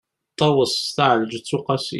ṭawes taεelǧeţ uqasi